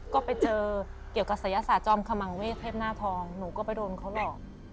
ก็ไปเจอเกี่ยวกับศัยศาสตร์จอมขมังเวศเทพหน้าทองหนูก็ไปโดนเขาหลอก